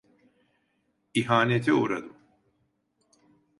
İhanete uğradım.